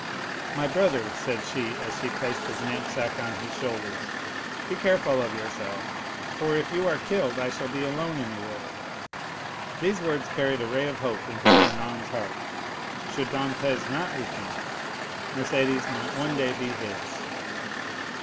"My brother," said she, as she placed his knapsack on his shoulders, "be careful of yourself, for if you are killed, I shall be alone in the world." These words carried a ray of hope into Fernand's heart. Should Dantès not return, Mercédès might one day be his.